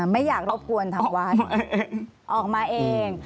ไม่อยากรบกวนทางวัดออกมาเอง